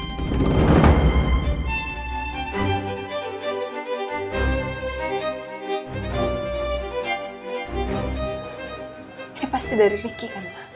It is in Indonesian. ini pasti dari ricky kan pak